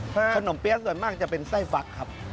ขนมเปี๊ยะส่วนมากจะเป็นไส้ฟักครับ